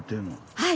はい。